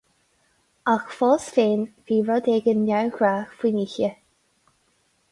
Ach fós féin, bhí rud éigin neamhghnách faoin oíche.